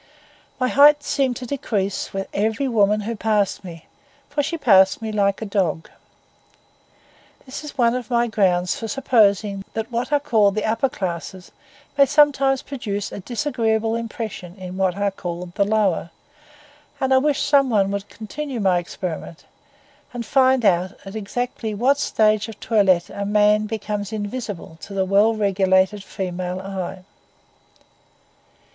My height seemed to decrease with every woman who passed me, for she passed me like a dog. This is one of my grounds for supposing that what are called the upper classes may sometimes produce a disagreeable impression in what are called the lower; and I wish some one would continue my experiment, and find out exactly at what stage of toilette a man becomes invisible to the well regulated female eye.